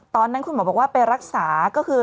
ตอนนั้นคุณหมอบอกว่าไปรักษาก็คือ